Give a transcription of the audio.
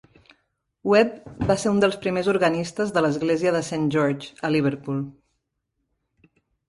Webbe va ser un dels primers organistes de l'església de Saint George, a Liverpool.